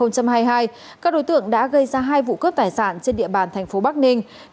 các đối tượng đã gây ra hai vụ cướp tài sản trên địa bàn thành phố bắc ninh